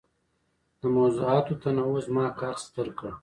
د موضوعاتو تنوع زما کار ستر کړ.